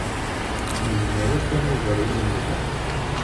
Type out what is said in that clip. Nezmer akk ad naweḍ ar wayen nebɣa.